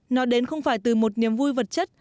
nói đến không phải từ một niềm vui vật chất